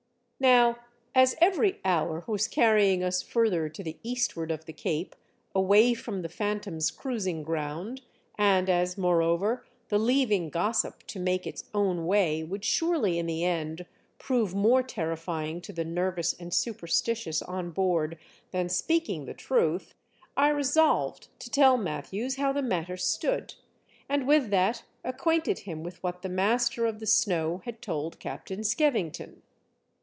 47 Now, as every hour was carrying us further to the eastward of the Cape, away from the Phantom's cruising ground, and as, moreover, the leaving gossip to make its own way would surely in the end prove more terrifying to the nervous and superstitious on board than speaking the truth, I resolved to tell Matthews how the matter stood, and with that, acquainted him with what the master of the snow had told Captain Skevington.